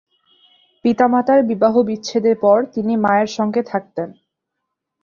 পিতামাতার বিবাহবিচ্ছেদের পর তিনি মায়ের সঙ্গে থাকতেন।